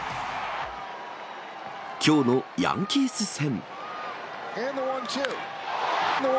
きょうのヤンキース戦。